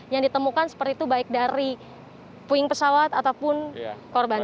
yang ditemukan seperti itu baik dari puing pesawat ataupun korban